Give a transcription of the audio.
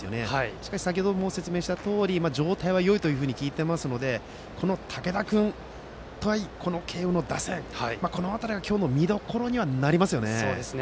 しかし、先程も説明したとおり状態はよいと聞いていますので竹田君対慶応の打線という辺りが今日の見どころにはなりますよね。